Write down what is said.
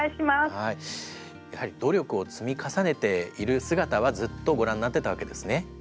やはり努力を積み重ねている姿はずっとご覧になってたわけですね。